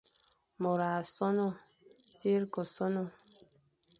Môr a sonhe, tsir ke sonhe,